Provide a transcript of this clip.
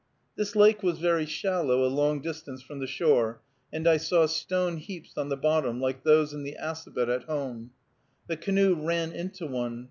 This lake was very shallow a long distance from the shore, and I saw stone heaps on the bottom, like those in the Assabet at home. The canoe ran into one.